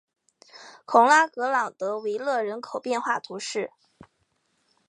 孔拉格朗德维勒人口变化图示